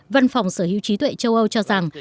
văn phòng sở hữu trí tuệ châu âu cho rằng